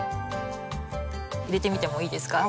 入れてみてもいいですか？